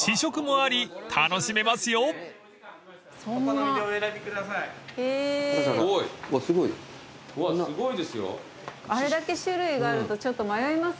あれだけ種類があるとちょっと迷いますもんね。